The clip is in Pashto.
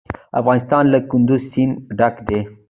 افغانستان له کندز سیند ډک دی.